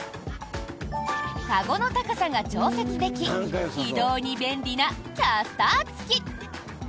籠の高さが調節でき移動に便利なキャスター付き。